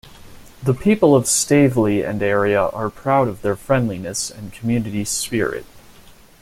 The people of Stavely and area are proud of their friendliness and community spirit.